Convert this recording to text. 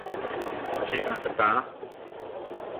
Chi á pe tá.